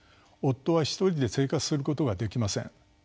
夫は一人で生活することができません。